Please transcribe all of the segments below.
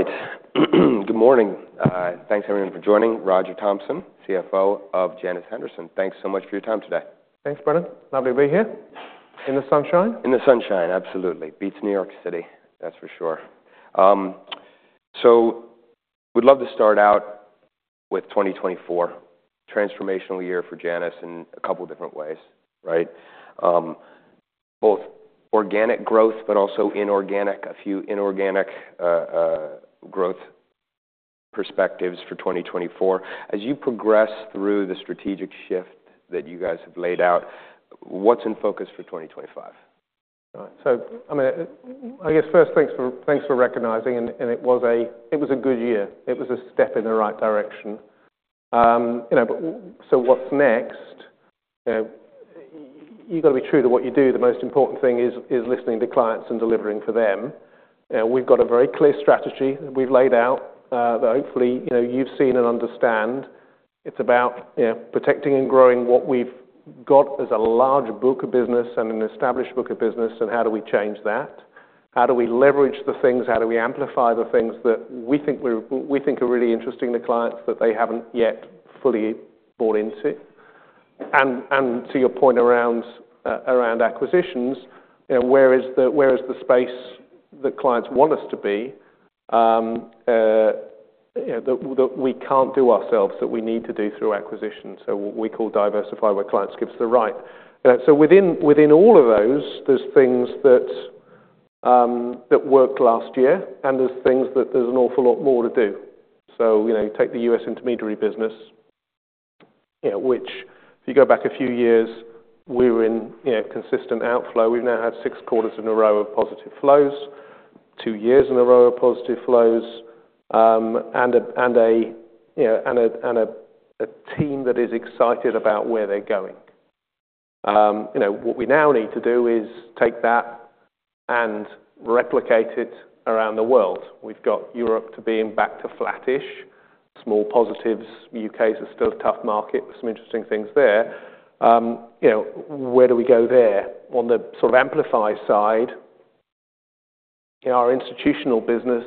All right. Good morning. Thanks, everyone, for joining. Roger Thompson, CFO of Janus Henderson. Thanks so much for your time today. Thanks, Brennan. Lovely to be here in the sunshine. In the sunshine, absolutely. Beats New York City, that's for sure. So we'd love to start out with 2024, a transformational year for Janus in a couple of different ways, right? Both organic growth, but also inorganic, a few inorganic growth perspectives for 2024. As you progress through the strategic shift that you guys have laid out, what's in focus for 2025? So, I mean, I guess first, thanks for recognizing it was a good year. It was a step in the right direction. So what's next? You've got to be true to what you do. The most important thing is listening to clients and delivering for them. We've got a very clear strategy that we've laid out that hopefully you've seen and understand. It's about protecting and growing what we've got as a large book of business and an established book of business, and how do we change that? How do we leverage the things? How do we amplify the things that we think are really interesting to clients that they haven't yet fully bought into? And to your point around acquisitions, where is the space that clients want us to be that we can't do ourselves, that we need to do through acquisition? So what we call diversify, where clients give us the right. So within all of those, there's things that worked last year, and there's things that there's an awful lot more to do. So take the U.S. intermediary business, which, if you go back a few years, we were in consistent outflow. We've now had six quarters in a row of positive flows, two years in a row of positive flows, and a team that is excited about where they're going. What we now need to do is take that and replicate it around the world. We've got Europe to be back to flattish, small positives. The U.K. is still a tough market with some interesting things there. Where do we go there? On the sort of amplify side, our institutional business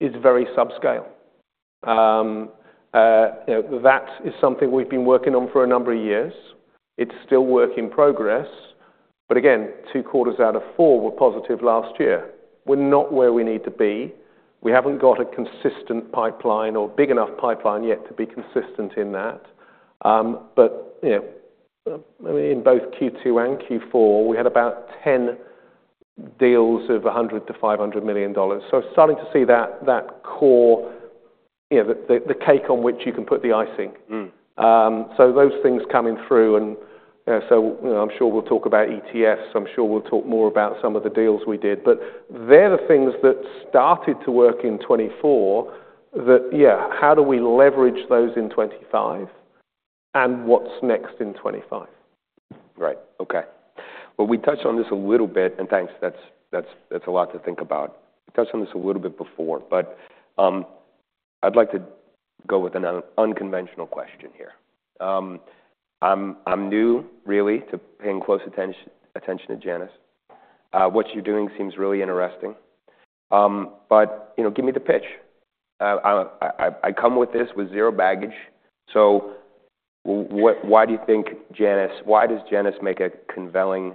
is very subscale. That is something we've been working on for a number of years. It's still work in progress, but again, two quarters out of four were positive last year. We're not where we need to be. We haven't got a consistent pipeline or big enough pipeline yet to be consistent in that, but in both Q2 and Q4, we had about 10 deals of $100-$500 million, so starting to see that core, the cake on which you can put the icing, so those things coming through, and so I'm sure we'll talk about ETFs. I'm sure we'll talk more about some of the deals we did, but they're the things that started to work in 2024 that, yeah, how do we leverage those in 2025 and what's next in 2025? Right. Okay. Well, we touched on this a little bit, and thanks. That's a lot to think about. We touched on this a little bit before, but I'd like to go with an unconventional question here. I'm new, really, to paying close attention to Janus. What you're doing seems really interesting. But give me the pitch. I come with this with zero baggage. So why do you think Janus why does Janus make a compelling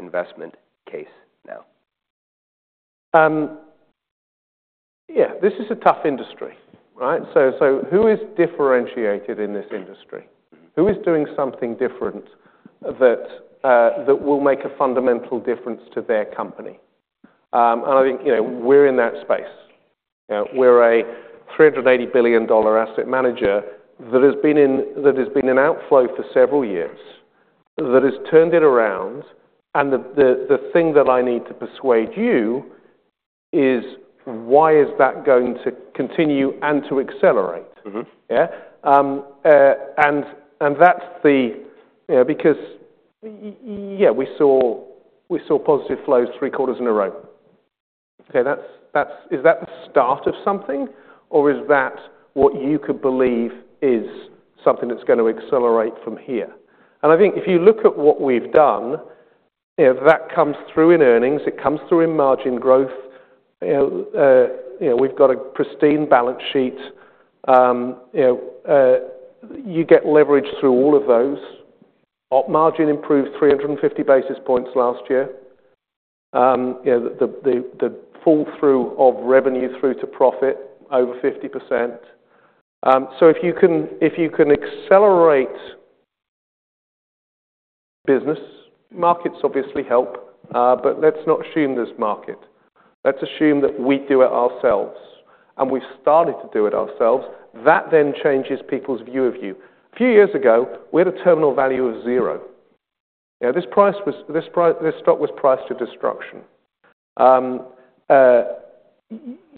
investment case now? Yeah. This is a tough industry, right? So who is differentiated in this industry? Who is doing something different that will make a fundamental difference to their company? And I think we're in that space. We're a $380 billion asset manager that has been in outflow for several years, that has turned it around. And the thing that I need to persuade you is, why is that going to continue and to accelerate? Yeah? And that's the because, yeah, we saw positive flows three quarters in a row. Okay? Is that the start of something, or is that what you could believe is something that's going to accelerate from here? And I think if you look at what we've done, that comes through in earnings. It comes through in margin growth. We've got a pristine balance sheet. You get leverage through all of those. Our margin improved 350 basis points last year. The flow-through of revenue through to profit, over 50%, so if you can accelerate business, markets obviously help, but let's not assume there's market. Let's assume that we do it ourselves, and we've started to do it ourselves. That then changes people's view of you. A few years ago, we had a terminal value of zero. This stock was priced to destruction.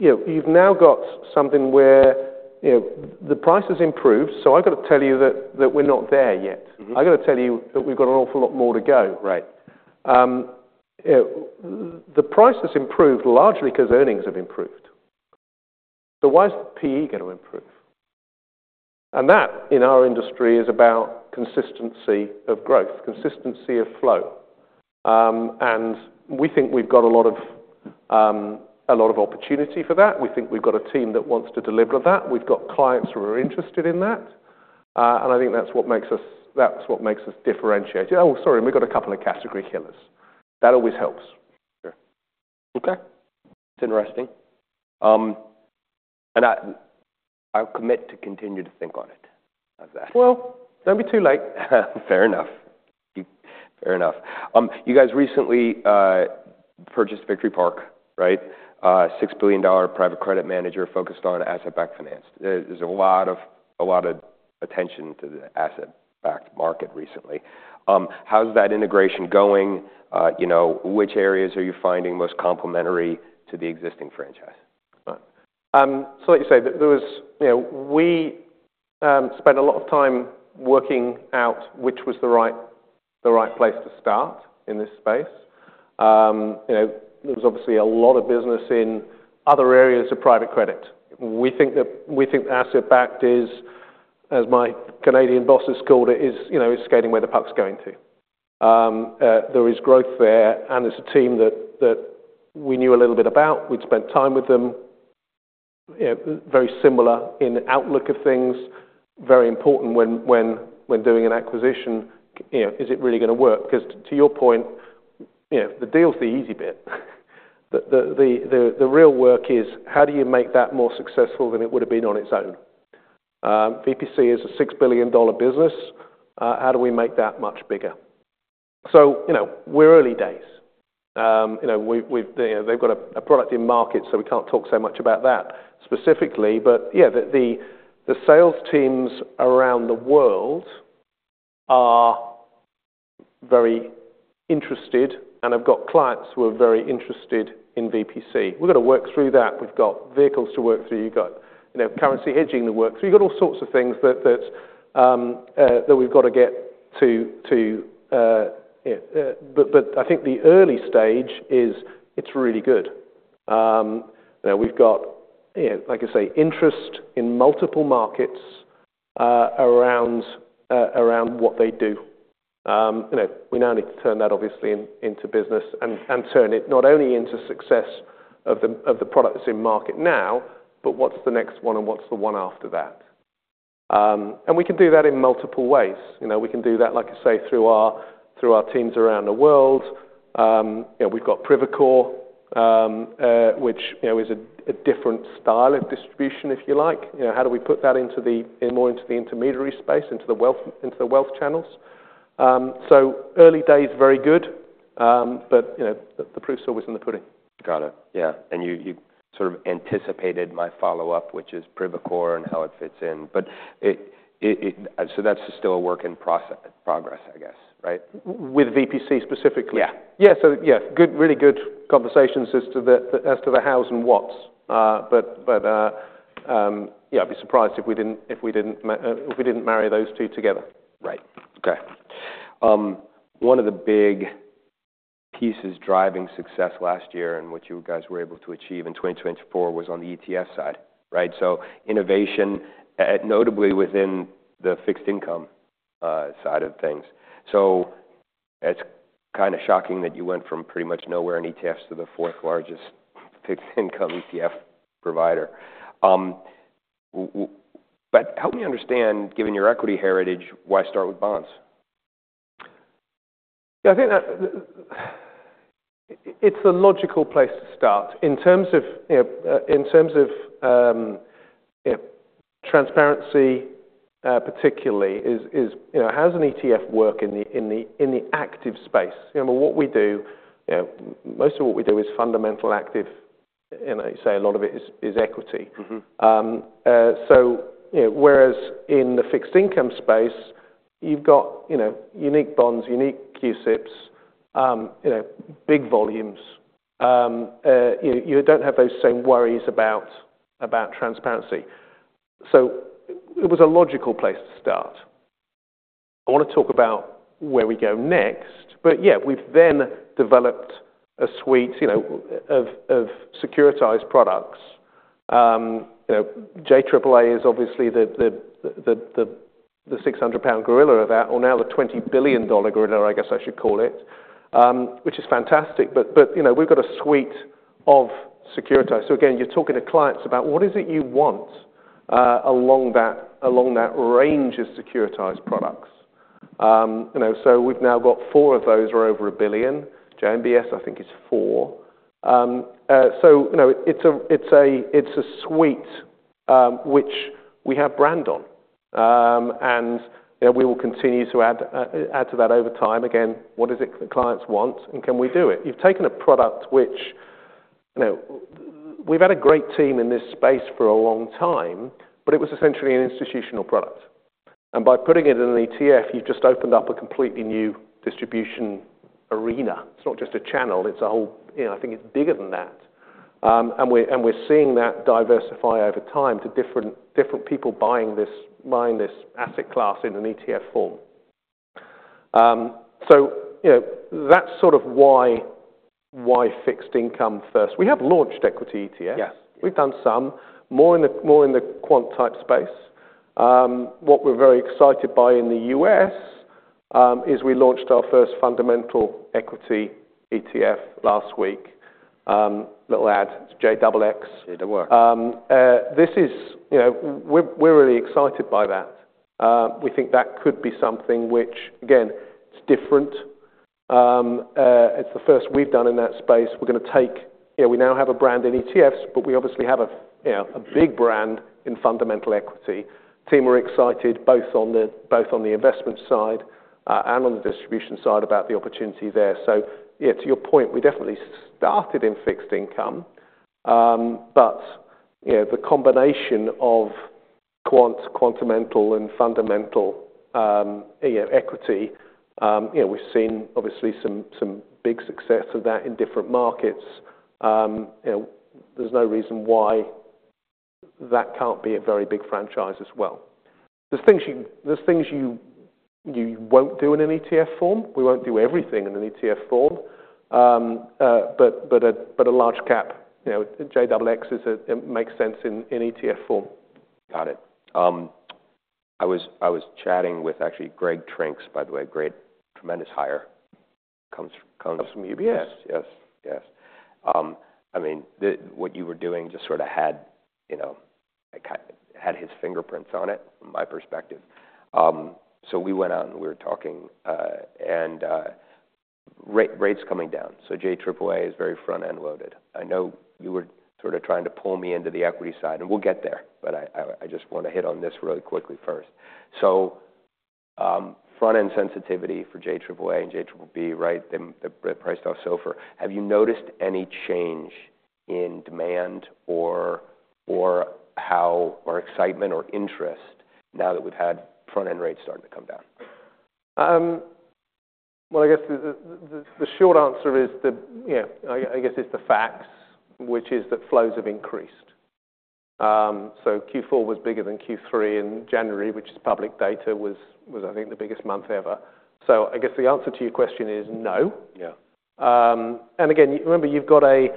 You've now got something where the price has improved, so I've got to tell you that we're not there yet. I've got to tell you that we've got an awful lot more to go. Right. The price has improved largely because earnings have improved. So why is the PE going to improve? And that, in our industry, is about consistency of growth, consistency of flow. And we think we've got a lot of opportunity for that. We think we've got a team that wants to deliver that. We've got clients who are interested in that. And I think that's what makes us differentiated. Oh, sorry, we've got a couple of category killers. That always helps. Sure. Okay. That's interesting, and I'll commit to continue to think on it as that. Don't be too late. Fair enough. Fair enough. You guys recently purchased Victory Park, right? $6 billion private credit manager focused on asset-backed finance. There's a lot of attention to the asset-backed market recently. How's that integration going? Which areas are you finding most complementary to the existing franchise? So like you say, we spent a lot of time working out which was the right place to start in this space. There was obviously a lot of business in other areas of private credit. We think that asset-backed is, as my Canadian boss has called it, is skating where the puck's going to. There is growth there, and there's a team that we knew a little bit about. We'd spent time with them. Very similar in outlook of things. Very important when doing an acquisition. Is it really going to work? Because to your point, the deal's the easy bit. The real work is, how do you make that more successful than it would have been on its own? VPC is a $6 billion business. How do we make that much bigger? So we're early days. They've got a product in market, so we can't talk so much about that specifically. But yeah, the sales teams around the world are very interested and have got clients who are very interested in VPC. We've got to work through that. We've got vehicles to work through. You've got currency hedging to work through. You've got all sorts of things that we've got to get to. But I think the early stage is it's really good. We've got, like I say, interest in multiple markets around what they do. We now need to turn that, obviously, into business and turn it not only into success of the products in market now, but what's the next one and what's the one after that? And we can do that in multiple ways. We can do that, like I say, through our teams around the world. We've got Privacore, which is a different style of distribution, if you like. How do we put that more into the intermediary space, into the wealth channels? So early days, very good. But the proof's always in the pudding. Got it. Yeah. And you sort of anticipated my follow-up, which is Privacore and how it fits in. But so that's still a work in progress, I guess, right? With VPC specifically? Yeah. Yeah. So yeah, really good conversations as to the hows and whats. But yeah, I'd be surprised if we didn't marry those two together. Right. Okay. One of the big pieces driving success last year and what you guys were able to achieve in 2024 was on the ETF side, right? So innovation, notably within the fixed income side of things. So it's kind of shocking that you went from pretty much nowhere in ETFs to the fourth largest fixed income ETF provider. But help me understand, given your equity heritage, why start with bonds? Yeah. I think it's a logical place to start. In terms of transparency, particularly, how does an ETF work in the active space? What we do, most of what we do is fundamental active. You say a lot of it is equity. So whereas in the fixed income space, you've got unique bonds, unique CUSIPs, big volumes. You don't have those same worries about transparency. So it was a logical place to start. I want to talk about where we go next. But yeah, we've then developed a suite of securitized products. JAAA is obviously the 600-pound gorilla of that, or now the $20 billion gorilla, I guess I should call it, which is fantastic. But we've got a suite of securitized. So again, you're talking to clients about what is it you want along that range of securitized products? So we've now got four of those for over $1 billion. JMBS, I think, is four. So it's a suite which we have brand on. And we will continue to add to that over time. Again, what is it the clients want, and can we do it? You've taken a product which we've had a great team in this space for a long time, but it was essentially an institutional product. And by putting it in an ETF, you've just opened up a completely new distribution arena. It's not just a channel. It's a whole, I think, it's bigger than that. And we're seeing that diversify over time to different people buying this asset class in an ETF form. So that's sort of why fixed income first. We have launched equity ETFs. We've done some, more in the quant-type space. What we're very excited by in the U.S. is we launched our first fundamental equity ETF last week. Little ad, it's JXX. We're really excited by that. We think that could be something which, again, it's different. It's the first we've done in that space. We now have a brand in ETFs, but we obviously have a big brand in fundamental equity. Team are excited both on the investment side and on the distribution side about the opportunity there, so yeah, to your point, we definitely started in fixed income, but the combination of quants, quantamental, and fundamental equity, we've seen obviously some big success of that in different markets. There's no reason why that can't be a very big franchise as well. There's things you won't do in an ETF form. We won't do everything in an ETF form, but a large cap, JXX, it makes sense in ETF form. Got it. I was chatting with actually Greg Trenk, by the way. Great, tremendous hire. Comes from UBS. Yes. Yes. Yes. I mean, what you were doing just sort of had his fingerprints on it, from my perspective. So we went out and we were talking. And rate's coming down. So JAAA is very front-end loaded. I know you were sort of trying to pull me into the equity side. And we'll get there. But I just want to hit on this really quickly first. So front-end sensitivity for JAAA and JBBB, right? They're priced off SOFR. Have you noticed any change in demand or excitement or interest now that we've had front-end rates starting to come down? I guess the short answer is that, yeah, I guess it's the facts, which is that flows have increased. Q4 was bigger than Q3. In January, which is public data, was, I think, the biggest month ever. I guess the answer to your question is no. Again, remember, you've got a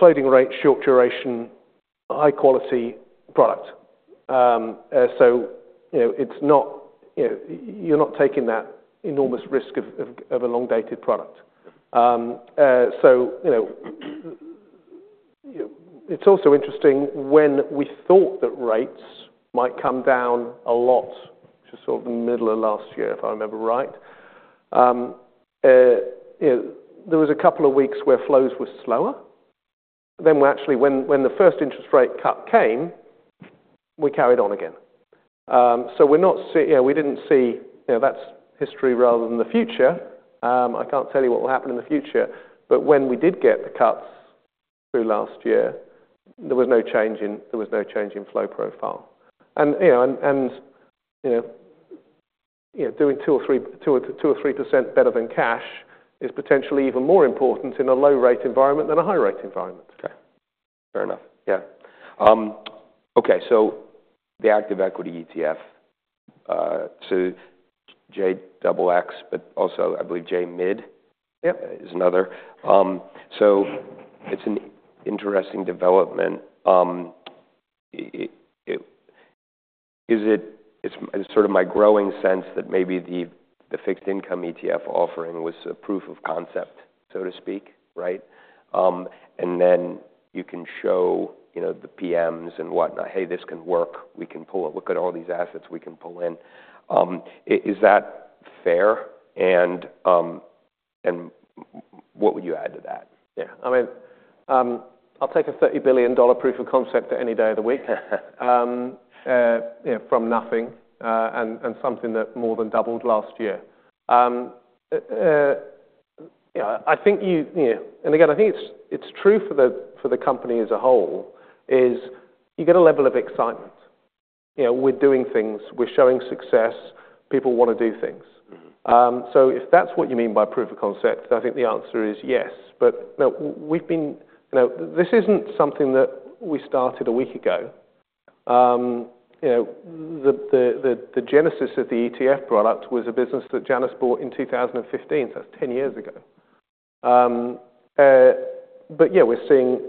floating rate, short duration, high-quality product. You're not taking that enormous risk of a long-dated product. It's also interesting when we thought that rates might come down a lot, which was sort of the middle of last year, if I remember right. There was a couple of weeks where flows were slower. Actually, when the first interest rate cut came, we carried on again. We didn't see that. That's history rather than the future. I can't tell you what will happen in the future. But when we did get the cuts through last year, there was no change in flow profile. And doing 2% or 3% better than cash is potentially even more important in a low-rate environment than a high-rate environment. Okay. Fair enough. Yeah. Okay. So the active equity ETF too, JXX, but also, I believe, JMID is another. So it's an interesting development. It's sort of my growing sense that maybe the fixed income ETF offering was a proof of concept, so to speak, right? And then you can show the PMs and whatnot, "Hey, this can work. We can pull it. Look at all these assets we can pull in." Is that fair? And what would you add to that? Yeah. I mean, I'll take a $30 billion proof of concept at any day of the week from nothing and something that more than doubled last year. I think you, and again, I think it's true for the company as a whole, is you get a level of excitement. We're doing things. We're showing success. People want to do things. So if that's what you mean by proof of concept, I think the answer is yes. But we've been, this isn't something that we started a week ago. The genesis of the ETF product was a business that Janus bought in 2015. So that's 10 years ago. But yeah, we're seeing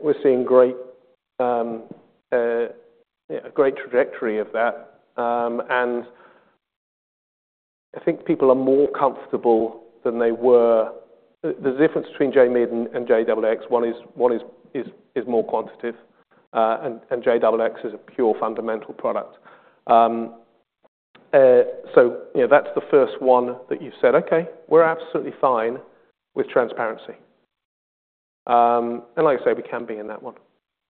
a great trajectory of that. And I think people are more comfortable than they were. There's a difference between JMID and JXX. One is more quantitative, and JXX is a pure fundamental product. So that's the first one that you've said, "Okay, we're absolutely fine with transparency." And like I say, we can be in that one.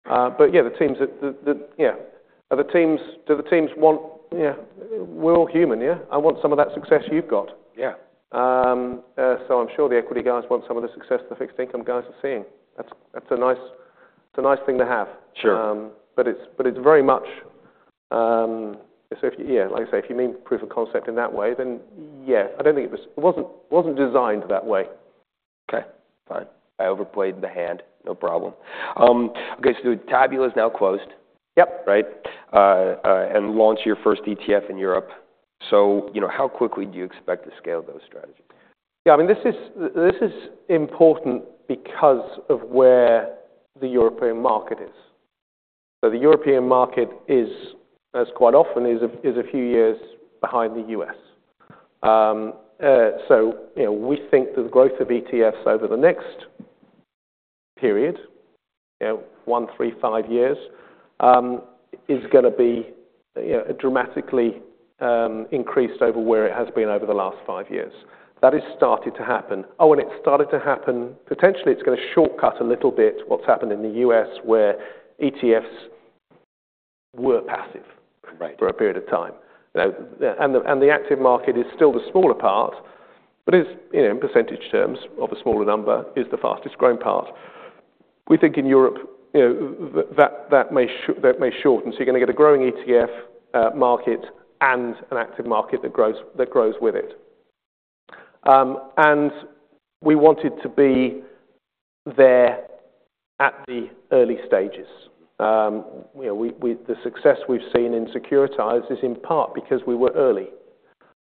But yeah, the teams, yeah. Do the teams want, yeah, we're all human, yeah? I want some of that success you've got. So I'm sure the equity guys want some of the success the fixed income guys are seeing. That's a nice thing to have. But it's very much, yeah, like I say, if you mean proof of concept in that way, then yeah, I don't think it was, it wasn't designed that way. Okay. Fine. I overplayed the hand. No problem. Okay. So Tabula is now closed, right? Yep. Launch your first ETF in Europe. How quickly do you expect to scale those strategies? Yeah. I mean, this is important because of where the European market is. So the European market, as quite often, is a few years behind the U.S. So we think that the growth of ETFs over the next period, one, three, five years, is going to be dramatically increased over where it has been over the last five years. That has started to happen. Oh, and it's started to happen. Potentially, it's going to shortcut a little bit what's happened in the U.S., where ETFs were passive for a period of time. And the active market is still the smaller part, but in percentage terms, of a smaller number, is the fastest growing part. We think in Europe, that may shorten. So you're going to get a growing ETF market and an active market that grows with it. And we wanted to be there at the early stages. The success we've seen in securitized is in part because we were early.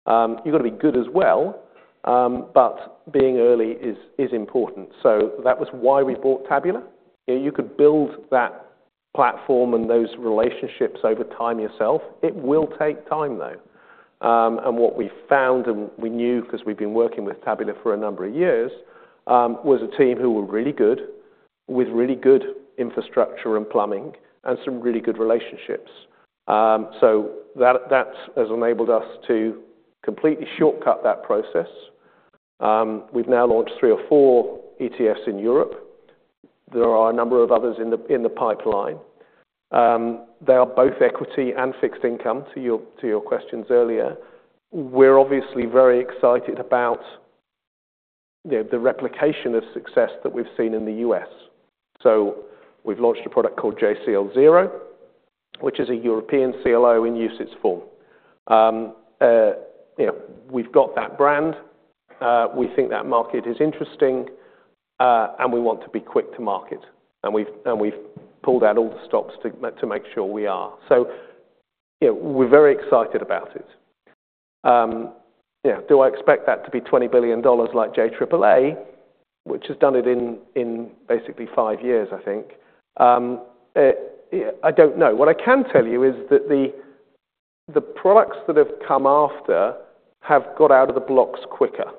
You've got to be good as well, but being early is important. So that was why we bought Tabula. You could build that platform and those relationships over time yourself. It will take time, though. And what we found and we knew because we've been working with Tabula for a number of years was a team who were really good, with really good infrastructure and plumbing, and some really good relationships. So that has enabled us to completely shortcut that process. We've now launched three or four ETFs in Europe. There are a number of others in the pipeline. They are both equity and fixed income, to your questions earlier. We're obviously very excited about the replication of success that we've seen in the U.S. We've launched a product called JCL0, which is a European CLO in euro form. We've got that brand. We think that market is interesting, and we want to be quick to market. We've pulled out all the stops to make sure we are. We're very excited about it. Do I expect that to be $20 billion like JAAA, which has done it in basically five years, I think? I don't know. What I can tell you is that the products that have come after have got out of the blocks quicker.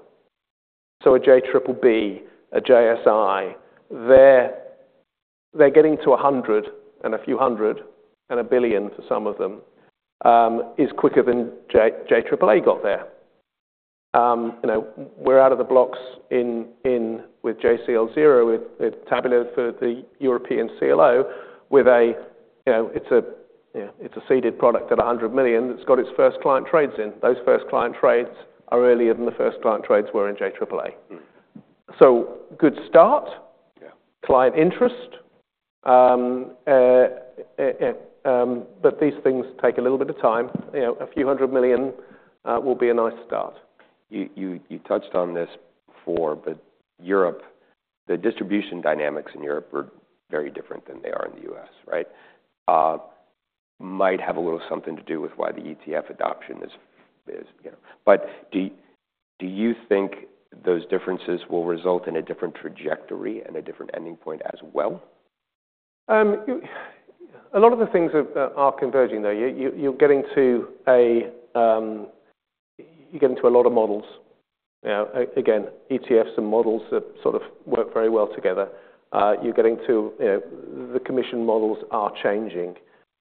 A JBBB, a JSI, they're getting to 100 and a few hundred and a billion for some of them quicker than JAAA got there. We're out of the blocks with JCL0, with Tabula for the European CLO. It's a seeded product at $100 million that's got its first client trades in. Those first client trades are earlier than the first client trades were in JAAA. So good start, client interest. But these things take a little bit of time. A few hundred million will be a nice start. You touched on this before, but Europe, the distribution dynamics in Europe are very different than they are in the US, right? Might have a little something to do with why the ETF adoption is—but do you think those differences will result in a different trajectory and a different ending point as well? A lot of the things are converging, though. You're getting to a. You get into a lot of models. Again, ETFs and models sort of work very well together. You're getting to. The commission models are changing.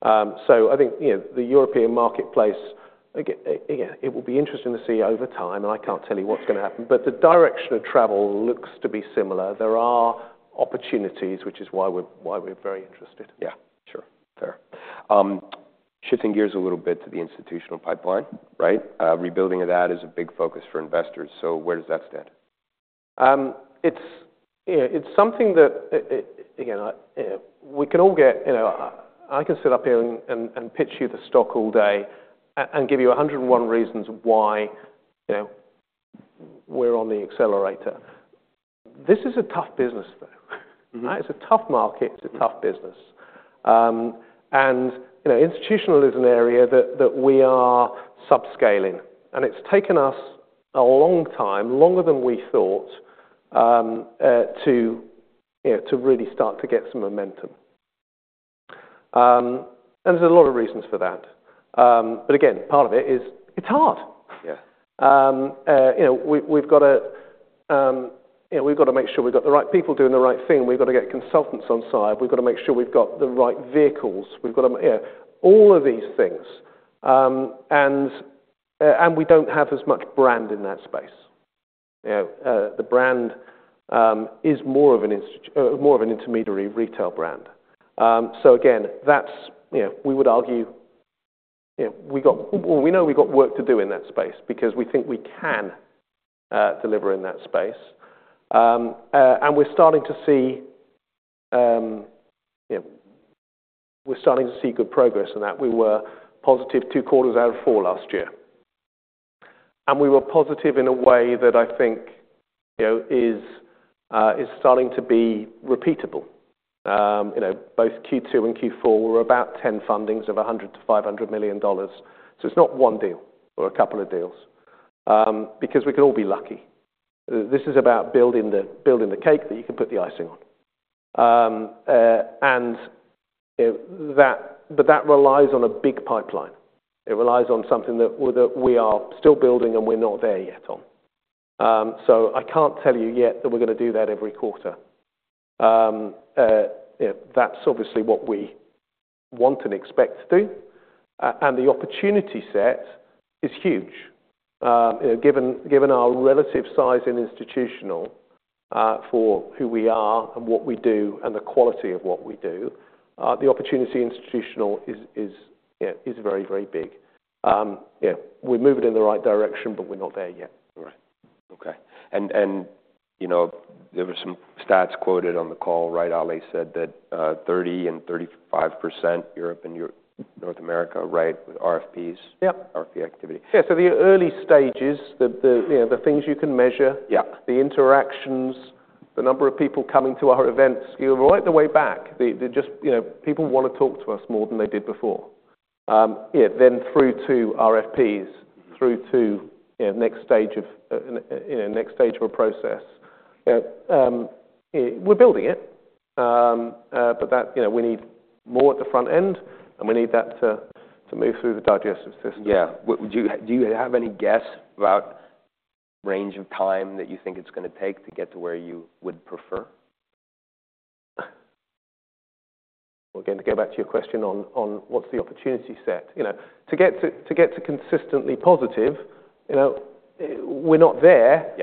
So I think the European marketplace, again, it will be interesting to see over time, and I can't tell you what's going to happen, but the direction of travel looks to be similar. There are opportunities, which is why we're very interested. Yeah. Sure. Fair. Shifting gears a little bit to the institutional pipeline, right? Rebuilding of that is a big focus for investors. So where does that stand? It's something that, again, we can all get. I can sit up here and pitch you the stock all day and give you 101 reasons why we're on the accelerator. This is a tough business, though, right? It's a tough market. It's a tough business. And institutional is an area that we are subscaling. And it's taken us a long time, longer than we thought, to really start to get some momentum. And there's a lot of reasons for that. But again, part of it is it's hard. We've got to make sure we've got the right people doing the right thing. We've got to get consultants on side. We've got to make sure we've got the right vehicles. We've got to, yeah, all of these things. And we don't have as much brand in that space. The brand is more of an intermediary retail brand. So again, we would argue we know we've got work to do in that space because we think we can deliver in that space. And we're starting to see. We're starting to see good progress in that. We were positive two quarters out of four last year. And we were positive in a way that I think is starting to be repeatable. Both Q2 and Q4 were about 10 fundings of $100 million-$500 million. So it's not one deal or a couple of deals because we can all be lucky. This is about building the cake that you can put the icing on. But that relies on a big pipeline. It relies on something that we are still building and we're not there yet on. So I can't tell you yet that we're going to do that every quarter. That's obviously what we want and expect to do. The opportunity set is huge. Given our relative size in institutional for who we are and what we do and the quality of what we do, the opportunity institutional is very, very big. We're moving in the right direction, but we're not there yet. Right. Okay, and there were some stats quoted on the call, right? Ali said that 30% and 35% Europe and North America, right, with RFPs, RFP activity. Yeah. So the early stages, the things you can measure, the interactions, the number of people coming to our events, right the way back, just people want to talk to us more than they did before. Then through to RFPs, through to next stage of a process. We're building it, but we need more at the front end, and we need that to move through the digestive system. Yeah. Do you have any guess about the range of time that you think it's going to take to get to where you would prefer? Again, to go back to your question on what's the opportunity set, to get to consistently positive, we're not there,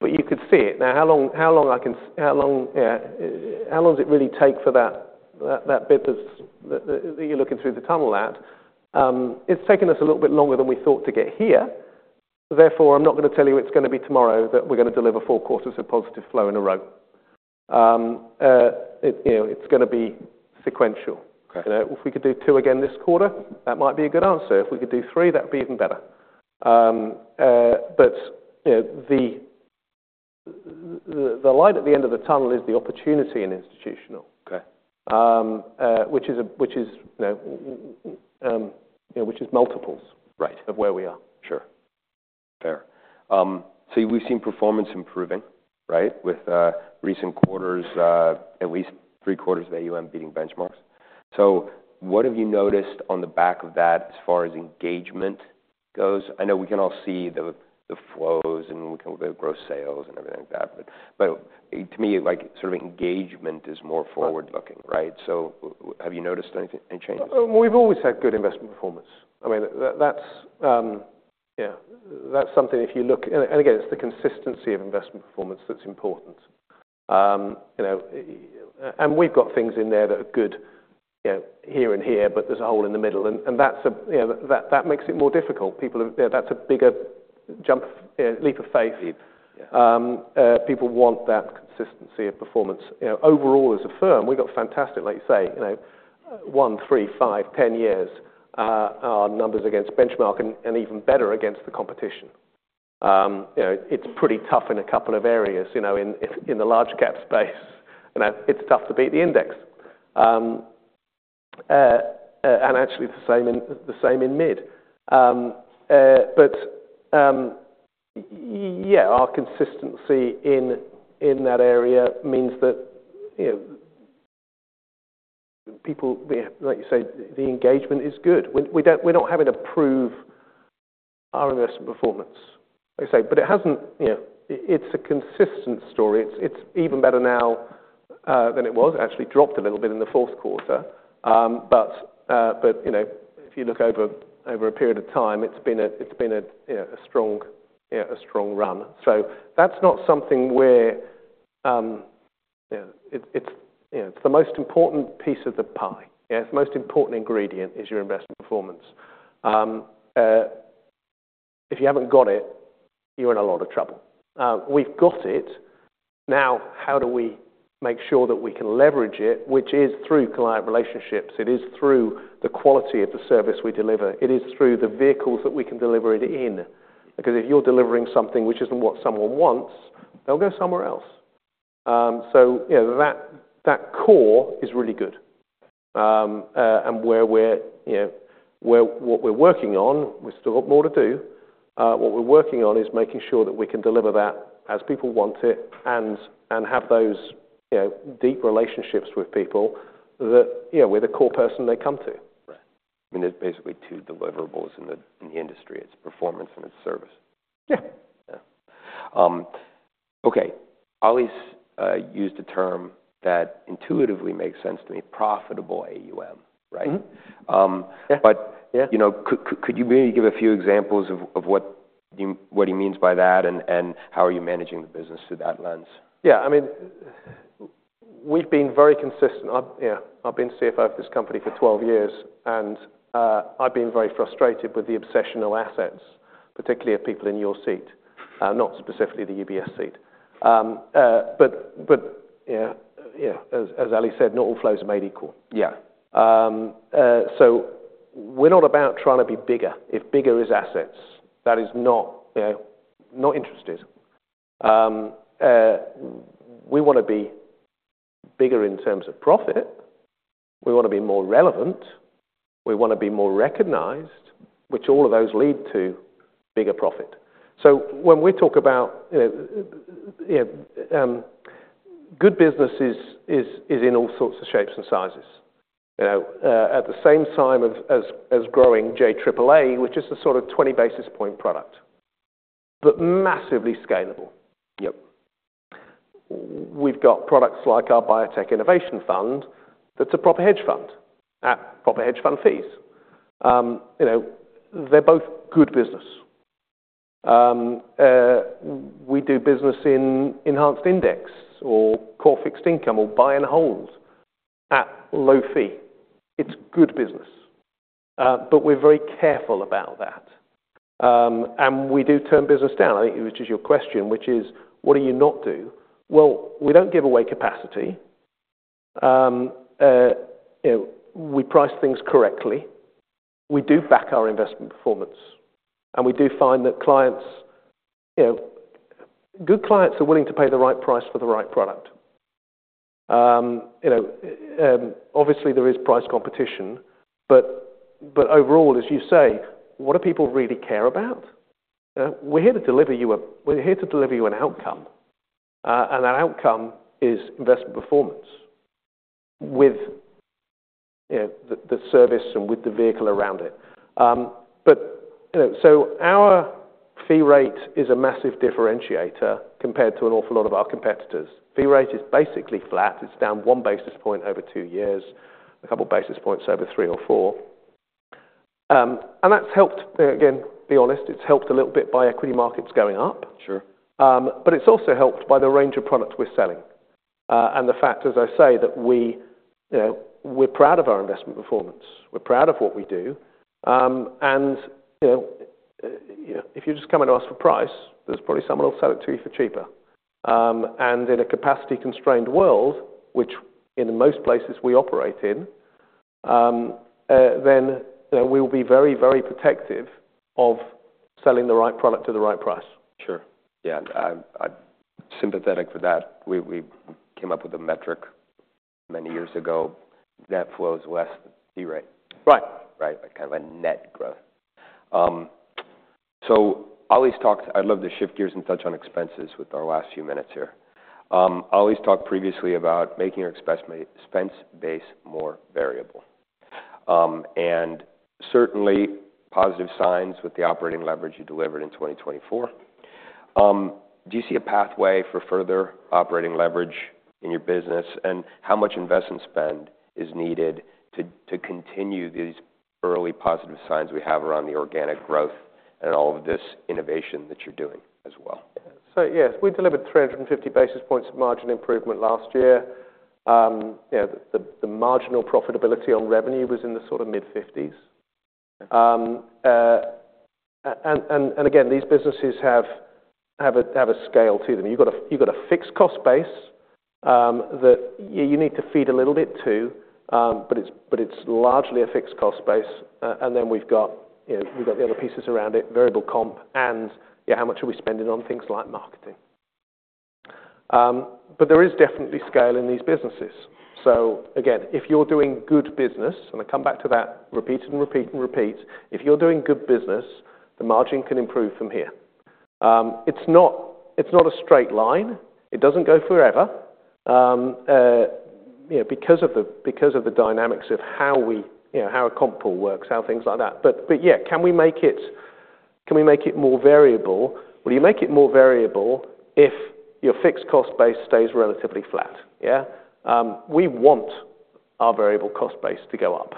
but you could see it. Now, how long does it really take for that bit that you're looking through the tunnel at? It's taken us a little bit longer than we thought to get here. Therefore, I'm not going to tell you it's going to be tomorrow that we're going to deliver four quarters of positive flow in a row. It's going to be sequential. If we could do two again this quarter, that might be a good answer. If we could do three, that would be even better. But the light at the end of the tunnel is the opportunity in institutional, which is multiples of where we are. Sure. Fair. So we've seen performance improving, right, with recent quarters, at least three quarters of AUM beating benchmarks. So what have you noticed on the back of that as far as engagement goes? I know we can all see the flows and the gross sales and everything like that. But to me, sort of engagement is more forward-looking, right? So have you noticed any changes? We've always had good investment performance. I mean, that's something if you look, and again, it's the consistency of investment performance that's important, and we've got things in there that are good here and here, but there's a hole in the middle, and that makes it more difficult. That's a bigger leap of faith. People want that consistency of performance. Overall, as a firm, we've got fantastic, like you say, one, three, five, ten years numbers against benchmark and even better against the competition. It's pretty tough in a couple of areas. In the large-cap space, it's tough to beat the index, and actually, the same in mid, but yeah, our consistency in that area means that people, like you say, the engagement is good. We're not having to prove our investment performance, like I say, but it hasn't, it's a consistent story. It's even better now than it was. It actually dropped a little bit in the fourth quarter. But if you look over a period of time, it's been a strong run. So that's not something where it's the most important piece of the pie. It's the most important ingredient is your investment performance. If you haven't got it, you're in a lot of trouble. We've got it. Now, how do we make sure that we can leverage it, which is through client relationships. It is through the quality of the service we deliver. It is through the vehicles that we can deliver it in. Because if you're delivering something which isn't what someone wants, they'll go somewhere else. So that core is really good. And what we're working on, we've still got more to do. What we're working on is making sure that we can deliver that as people want it and have those deep relationships with people that, yeah, with a core person they come to. Right. I mean, there's basically two deliverables in the industry. It's performance and it's service. Yeah. Yeah. Okay. Ali used a term that intuitively makes sense to me, profitable AUM, right? But could you maybe give a few examples of what he means by that and how are you managing the business through that lens? Yeah. I mean, we've been very consistent. I've been CFO of this company for 12 years, and I've been very frustrated with the obsession of assets, particularly of people in your seat, not specifically the UBS seat. But yeah, as Ali said, not all flows are made equal. So we're not about trying to be bigger. If bigger is assets, that is not interested. We want to be bigger in terms of profit. We want to be more relevant. We want to be more recognized, which all of those lead to bigger profit. So when we talk about good businesses is in all sorts of shapes and sizes. At the same time as growing JAAA, which is a sort of 20 basis points product, but massively scalable. We've got products like our Biotech Innovation Fund that's a proper hedge fund at proper hedge fund fees. They're both good business. We do business in enhanced index or core fixed income or buy and hold at low fee. It's good business. But we're very careful about that. And we do turn business down, which is your question, which is, what do you not do? Well, we don't give away capacity. We price things correctly. We do back our investment performance. And we do find that clients, good clients are willing to pay the right price for the right product. Obviously, there is price competition. But overall, as you say, what do people really care about? We're here to deliver you an outcome. And that outcome is investment performance with the service and with the vehicle around it. But so our fee rate is a massive differentiator compared to an awful lot of our competitors. Fee rate is basically flat. It's down one basis point over two years, a couple of basis points over three or four. And that's helped. Again, to be honest, it's helped a little bit by equity markets going up. But it's also helped by the range of products we're selling. And the fact, as I say, that we're proud of our investment performance. We're proud of what we do. And if you're just coming to us for price, there's probably someone who'll sell it to you for cheaper. And in a capacity-constrained world, which in most places we operate in, then we will be very, very protective of selling the right product at the right price. Sure. Yeah. I'm sympathetic for that. We came up with a metric many years ago. Net flow is less than fee rate, right? Kind of a net growth. So I love to shift gears and touch on expenses with our last few minutes here. I always talk previously about making your expense base more variable, and certainly positive signs with the operating leverage you delivered in 2024. Do you see a pathway for further operating leverage in your business, and how much investment spend is needed to continue these early positive signs we have around the organic growth and all of this innovation that you're doing as well? So yes, we delivered 350 basis points of margin improvement last year. The marginal profitability on revenue was in the sort of mid-50s. And again, these businesses have a scale to them. You've got a fixed cost base that you need to feed a little bit to, but it's largely a fixed cost base. And then we've got the other pieces around it, variable comp, and how much are we spending on things like marketing. But there is definitely scale in these businesses. So again, if you're doing good business, and I come back to that repeated and repeated and repeated, if you're doing good business, the margin can improve from here. It's not a straight line. It doesn't go forever because of the dynamics of how a comp pool works, how things like that. But yeah, can we make it more variable? Well, you make it more variable if your fixed cost base stays relatively flat. Yeah? We want our variable cost base to go up.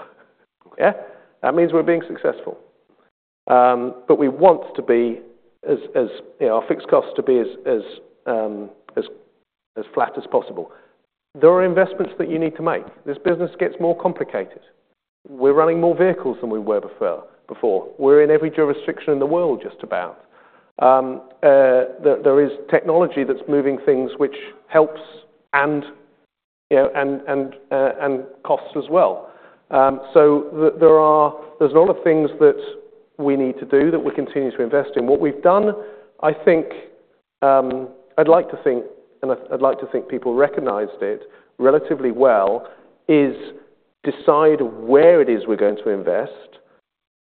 Yeah? That means we're being successful. But we want to be as our fixed costs to be as flat as possible. There are investments that you need to make. This business gets more complicated. We're running more vehicles than we were before. We're in every jurisdiction in the world just about. There is technology that's moving things which helps and costs as well. So there's a lot of things that we need to do that we continue to invest in. What we've done, I think I'd like to think, and I'd like to think people recognized it relatively well, is decide where it is we're going to invest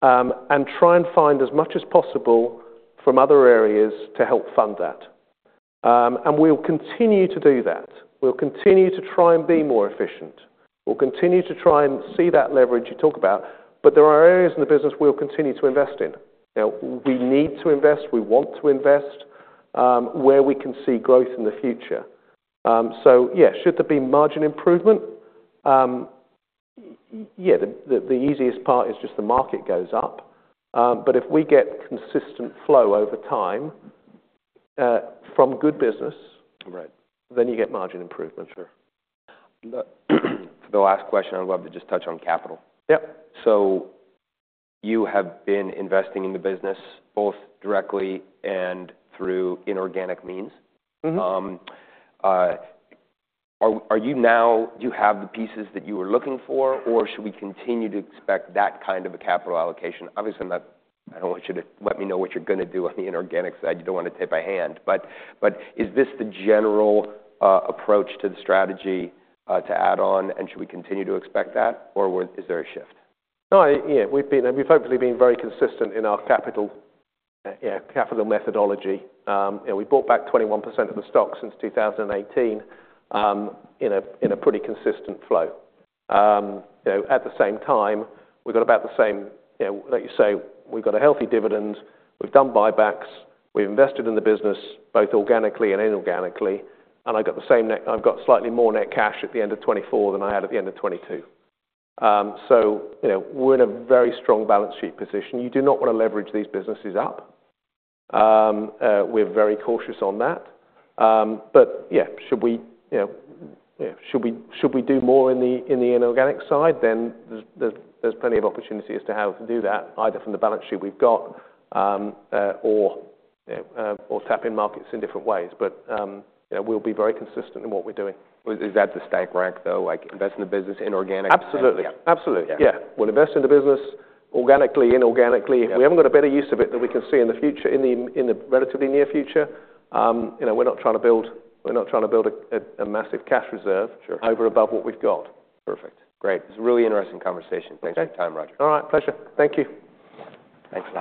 and try and find as much as possible from other areas to help fund that. We'll continue to do that. We'll continue to try and be more efficient. We'll continue to try and see that leverage you talk about. There are areas in the business we'll continue to invest in. We need to invest. We want to invest where we can see growth in the future. Yeah, should there be margin improvement? Yeah, the easiest part is just the market goes up. If we get consistent flow over time from good business, then you get margin improvement. Sure. For the last question, I'd love to just touch on capital. So you have been investing in the business both directly and through inorganic means. Are you now, do you have the pieces that you were looking for, or should we continue to expect that kind of a capital allocation? Obviously, I don't want you to let me know what you're going to do on the inorganic side. You don't want to tip a hand. But is this the general approach to the strategy to add on, and should we continue to expect that, or is there a shift? No, we've hopefully been very consistent in our capital methodology. We bought back 21% of the stock since 2018 in a pretty consistent flow. At the same time, we've got about the same, like you say, we've got a healthy dividend. We've done buybacks. We've invested in the business both organically and inorganically, and I've got slightly more net cash at the end of 2024 than I had at the end of 2022, so we're in a very strong balance sheet position. You do not want to leverage these businesses up. We're very cautious on that, but yeah, should we do more in the inorganic side, then there's plenty of opportunities to have to do that either from the balance sheet we've got or tap in markets in different ways, but we'll be very consistent in what we're doing. Is that the strategy though, like invest in the business inorganically? Absolutely. Absolutely. Yeah. We'll invest in the business organically, inorganically. If we haven't got a better use of it than we can see in the future, in the relatively near future, we're not trying to build a massive cash reserve over and above what we've got. Perfect. Great. This is a really interesting conversation. Thanks for your time, Roger. All right. Pleasure. Thank you. Thanks for.